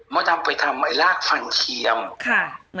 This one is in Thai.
ดำไปทำไอ้รากฟันเทียม